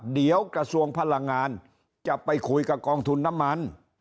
เดี๋ยวกระทรวงพลังงานจะไปคุยกับกองทุนน้ำมัน